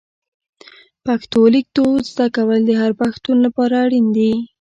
پښتو لیکدود زده کول د هر پښتون لپاره اړین دي.